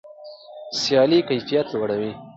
سیالي کیفیت لوړوي.